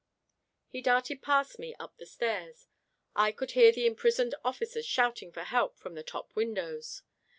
He darted past me up the stairs. I could hear the imprisoned officers shouting for help from the top windows.